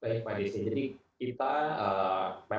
jadi kita memang antibiotik